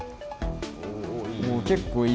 結構いいぞ。